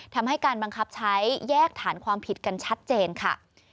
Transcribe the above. ทำให้การบังคับใช้แยกฐานความผิดกันชัดเจนค่ะ